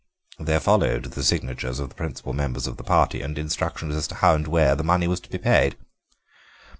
"There followed the signatures of the principal members of the party and instructions as to how and where the money was to be paid.